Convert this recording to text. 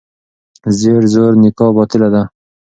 زیر زور نکاح باطله ده.